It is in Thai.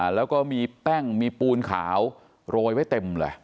แล้วก็มีแป้งมีปูนขาวโรยไว้เต็มเลย